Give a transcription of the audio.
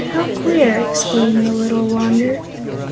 How queer!" exclaimed the little wanderer.